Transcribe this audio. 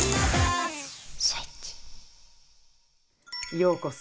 ようこそ。